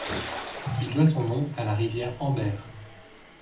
Il doit son nom à la rivière Amber.